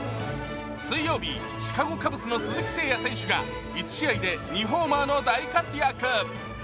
水曜日、シカゴ・カブスの鈴木誠也選手が１試合で２ホーマーの大活躍。